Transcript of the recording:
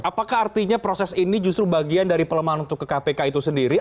apakah artinya proses ini justru bagian dari pelemahan untuk ke kpk itu sendiri